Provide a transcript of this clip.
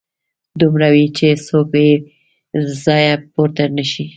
دومره وي چې څوک به يې له ځايه پورته نشي